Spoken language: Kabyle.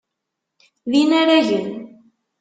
D inaragen.